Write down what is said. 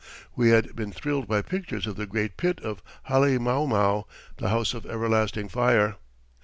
We had been thrilled by pictures of the great pit of Halemaumau, the "house of everlasting fire."